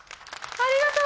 ありがとう。